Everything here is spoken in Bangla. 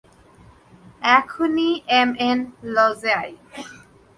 এখনই এমএন লজে আই।